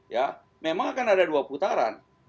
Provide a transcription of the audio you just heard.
ya memang akan ada dua putaran